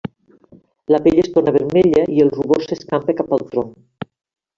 La pell es torna vermella i el rubor s'escampa cap al tronc.